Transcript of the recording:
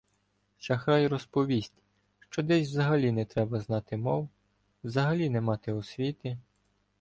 Шахрай розповість, що десь «взагалі не треба знати мов», «взагалі не мати освіти»